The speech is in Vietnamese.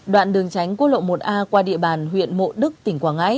đoạn đường tránh quốc lộ một a qua địa bàn huyện mộ đức tỉnh quảng ngãi